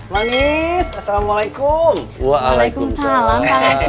manis assalamualaikum waalaikumsalam